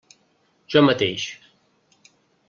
Jo mateix.